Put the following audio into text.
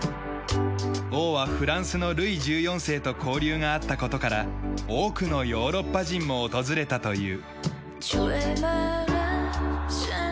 王はフランスのルイ１４世と交流があった事から多くのヨーロッパ人も訪れたという。